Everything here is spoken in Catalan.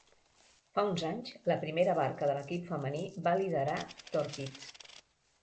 Fa uns anys, la primera barca de l'equip femení va liderar Torpids.